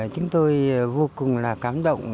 chúng tôi vô cùng là cảm động